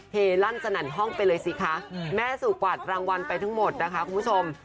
เฮลั่นสนั่นห้องไปเลยสิคะแม่สู่กวาดรางวัลไปทั้งหมดนะคะคุณผู้ชม